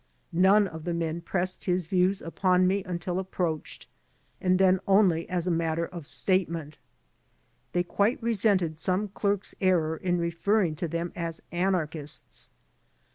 None of the men pressed Ills views upon me until approached, and then only as a matter of statement. They quite resented some clerk's error in refer ring to them as anarchists.